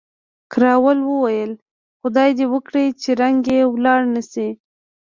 کراول وویل، خدای دې وکړي چې رنګ یې ولاړ نه شي.